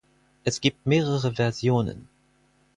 Es gibt mehrere Versionen.